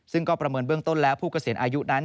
ซึ่งก็ประเมินเบื้องต้นแล้วผู้เกษียณอายุนั้น